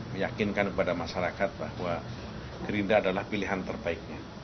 meyakinkan kepada masyarakat bahwa gerindra adalah pilihan terbaiknya